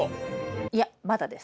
いやまだです。